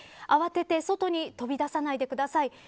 慌てて外に飛び出さないでください。